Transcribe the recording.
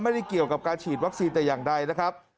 ไม่ได้เกี่ยวกับการฉีดวัคซีนแต่อย่างใดนะครับ